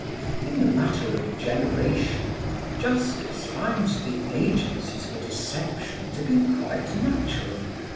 In the matter of generation, Justice finds the agencies for deception to be quite natural.